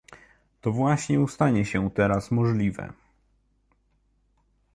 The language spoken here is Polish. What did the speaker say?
To właśnie stanie się teraz możliwe